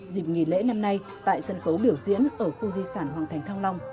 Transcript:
dịp nghỉ lễ năm nay tại sân khấu biểu diễn ở khu di sản hoàng thành thăng long